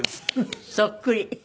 そっくり。